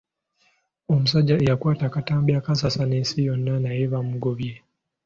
Omusajja eyakwata akatambi akaasaasaana ensi naye bamunoonya.